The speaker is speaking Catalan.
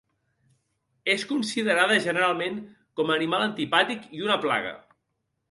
És considerada generalment com a animal antipàtic i una plaga.